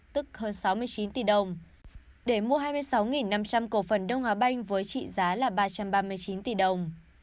tức hơn sáu mươi chín tỷ đồng để mua hai mươi sáu năm trăm linh cổ phần đông hòa banh với trị giá là ba trăm ba mươi chín tỷ đồng